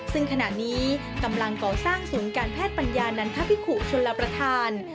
ซึ่งขณะนี้กำลังก่อสร้างศูนย์การแพทย์ปัญญานันทพิกุชนลประธาน